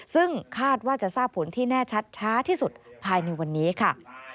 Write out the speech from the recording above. ซึ่งคาดว่าจะทราบผลที่แน่ชัดช้าที่สุดภายในวันนี้ค่ะ